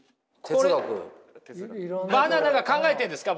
これバナナが考えてるんですか？